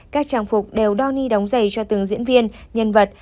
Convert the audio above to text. các trang phục đều đo ni đóng giày cho từng diễn viên nhân vật